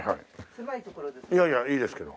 狭い所ですけど。